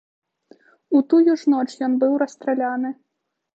У тую ж ноч ён быў расстраляны.